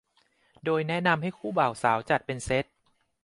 โดยแนะนำให้คู่บ่าวสาวจัดเป็นเซต